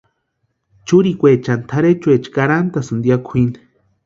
Churikwaechani tʼarhechuecha karhantasïnti ya kwʼini.